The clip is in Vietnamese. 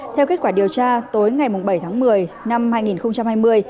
theo kết quả điều tra tối ngày bảy tháng một mươi năm hai nghìn hai mươi